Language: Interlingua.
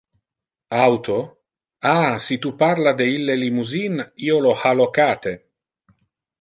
Auto? Ah, si tu parla de ille limousine, io lo ha locate.